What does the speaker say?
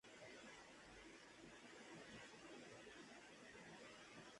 Presidente del tribunal: Cardenal Joseph Ratzinger.